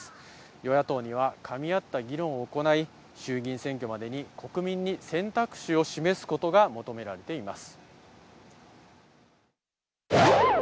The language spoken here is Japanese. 与野党にはかみ合った議論を行い、衆議院選挙までに国民に選択肢を示すことが求められています。